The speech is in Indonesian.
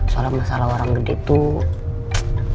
soal masalah orang gede tuh